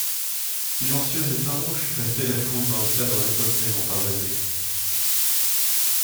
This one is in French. Silencieuse et farouche restait la foule dans le cadre des hautes maisons pavoisées.